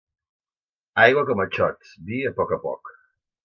Aigua com a xots, vi a poc a poc.